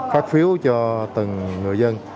phát phiếu cho từng người dân